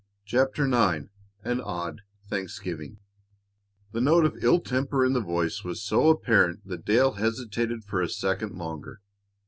CHAPTER IX AN ODD THANKSGIVING The note of ill temper in the voice was so apparent that Dale hesitated for a second longer.